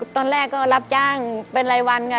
ตอนแรกก็รับจ้างเป็นรายวันค่ะ